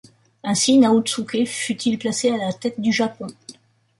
Ainsi Naosuke fut-il placé à la tête du Japon.